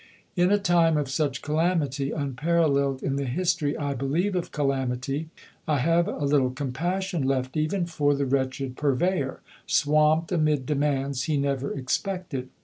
In a time of such calamity, unparalleled in the history, I believe, of calamity, I have a little compassion left even for the wretched Purveyor, swamped amid demands he never expected.